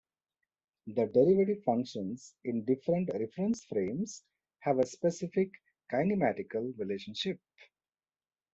The derivative functions in different reference frames have a specific kinematical relationship.